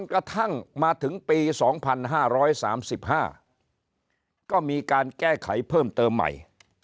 ตกถ้างมาถึงปีสองพันห้าร้อยสามสิบห้าก็มีการแก้ไขเพิ่มเติมใหม่